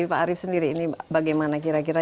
pak arief sendiri ini bagaimana kira kira